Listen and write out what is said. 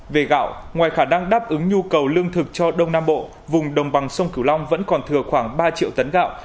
về gạo ngoài khả năng đáp ứng nhu cầu lương thực cho đông nam bộ vùng đồng bằng sông cửu long vẫn còn thừa khoảng ba triệu tấn gạo